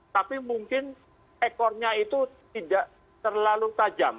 tapi mungkin ekornya itu tidak terlalu tajam